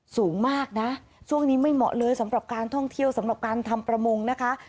สูงมากนะช่วงนี้ไม่เหมาะเลยสำหรับการท่องเที่ยวสำหรับการทำประมงนะคะ